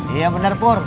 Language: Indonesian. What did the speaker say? iya bener pur